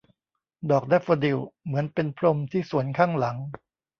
ดอกแดฟโฟดิลเหมือนเป็นพรมที่สวนข้างหลัง